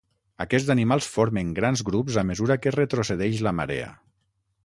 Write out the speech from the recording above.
Aquests animals formen grans grups a mesura que retrocedeix la marea.